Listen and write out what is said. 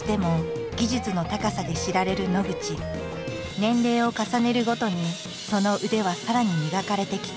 年齢を重ねるごとにその腕はさらに磨かれてきた。